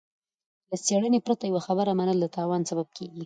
له څېړنې پرته يوه خبره منل د تاوان سبب کېږي.